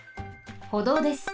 歩道です。